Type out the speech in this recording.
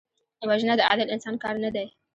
وژنه د عادل انسان کار نه دی